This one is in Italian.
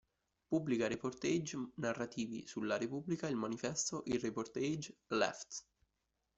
Pubblica reportage narrativi su La Repubblica, Il manifesto, Il Reportage, Left.